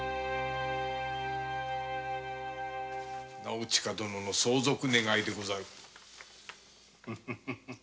直親殿の相続願でござる。